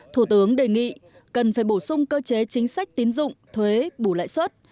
thủ tướng đề nghị cần phải bổ sung cơ chế chính sách tín dụng thuế bù lãi suất